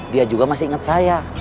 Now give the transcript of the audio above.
dia juga masih ingat saya